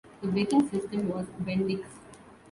The braking system was Bendix.